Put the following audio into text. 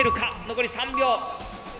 残り３秒。